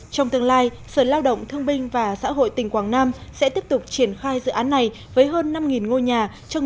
trong tương lai sở lao động thương binh và xã hội tỉnh quảng nam sẽ tiếp tục triển khai dự án này với hơn năm ngôi nhà cho người có công với cách mạng